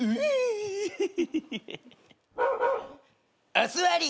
お座り。